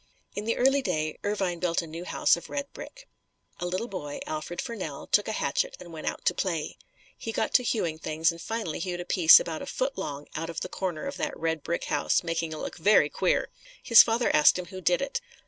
In the early day, Irvine built a new house of red brick. A little boy, Alfred Furnell, took a hatchet and went out to play. He got to hewing things and finally hewed a piece about a foot long out of the corner of that red brick house making it look very queer. His father asked him who did it.